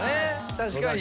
確かに。